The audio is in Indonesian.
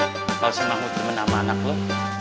kalau si mahmud temen sama anak lo